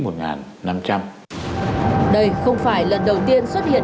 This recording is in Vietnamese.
đây không phải lần đầu tiên xuất hiện